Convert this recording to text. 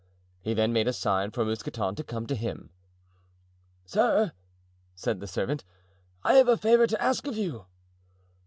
He then made a sign for Mousqueton to come to him. "Sir," said the servant, "I have a favour to ask you."